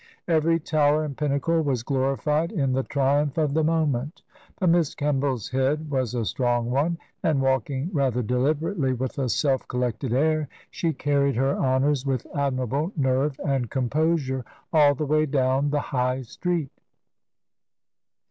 Every tower and pinnacle was glorified in the triumph of the moment. But Miss Kemball's head was a strong one, and walking rather deliberately, with a self collected air, she carried her honours with admirable nerve and composure all the way down the High street.'